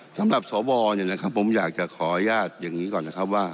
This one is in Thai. สำหรับสวผมอยากจะขออนุญาตอย่างนี้ก่อน